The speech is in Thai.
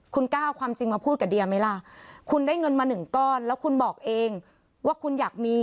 คุณกล้าเอาความจริงมาพูดกับเดียไหมล่ะคุณได้เงินมาหนึ่งก้อนแล้วคุณบอกเองว่าคุณอยากมี